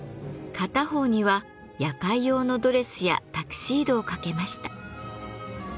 片方には夜会用のドレスやタキシードを掛けました。